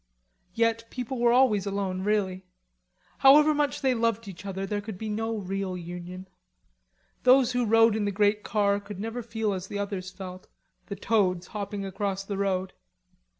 Yet people were always alone, really; however much they loved each other, there could be no real union. Those who rode in the great car could never feel as the others felt; the toads hopping across the road.